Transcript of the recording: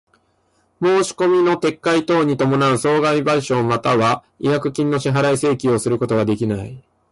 申込みの撤回等に伴う損害賠償又は違約金の支払を請求することができない。